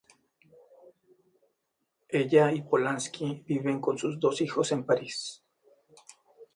Ella y Polanski viven con sus dos hijos en París.